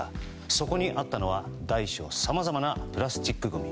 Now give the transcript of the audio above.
そこにあったのは大小さまざまなプラスチックごみ。